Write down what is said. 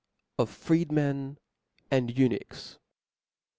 Of Freedmen and Eunuchs.